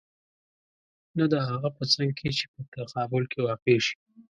نه د هغه په څنګ کې چې په تقابل کې واقع شي.